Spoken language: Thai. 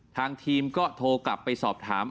ทางทีมก็โทรกลับไปสอบถาม